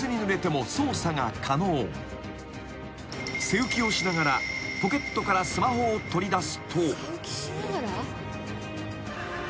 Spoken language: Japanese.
［背浮きをしながらポケットからスマホを取り出すと］